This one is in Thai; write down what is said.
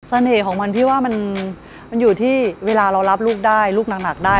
ของมันพี่ว่ามันอยู่ที่เวลาเรารับลูกได้ลูกหนักได้